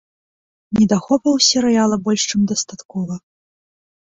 Недахопаў у серыяла больш чым дастаткова.